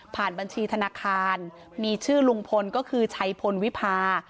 บัญชีธนาคารมีชื่อลุงพลก็คือชัยพลวิพา